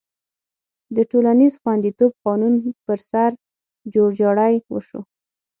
د ټولنیز خوندیتوب قانون پر سر جوړجاړی وشو.